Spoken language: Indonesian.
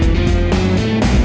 udah bocan mbak